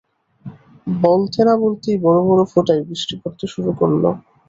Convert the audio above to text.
বলতে না বলতেই বড়-বড় ফোঁটায় বৃষ্টি পড়তে শুরু করল।